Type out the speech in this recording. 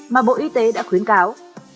mà bộ y tế đã khuyến cáo